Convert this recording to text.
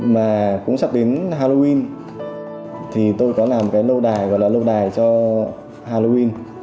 mà cũng sắp đến halloween thì tôi có làm cái lâu đài gọi là lâu đài cho halloween